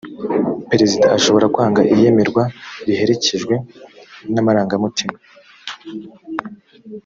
perezida ashobora kwanga iyemerwa riherekejwe n’amarangamutima